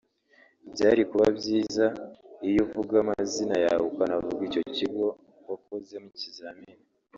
Byari kuba byiza iyo uvuga amazina yawe ukanavuga icyo kigo wakozemo ikizamini